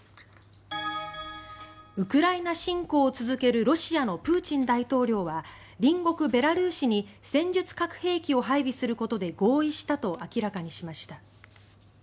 ウクライナ侵攻を続けるロシアのプーチン大統領は隣国ベラルーシに戦術核兵器を配備することで合意したと明らかにしました。